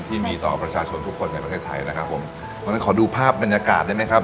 ที่มีต่อประชาชนทุกคนในประเทศไทยนะครับขอดูภาพบรรยากาศได้มั้ยครับ